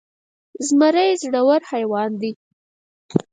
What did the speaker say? زمری زړور حيوان دی.